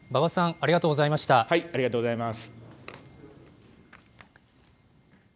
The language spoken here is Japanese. ありがとうございます。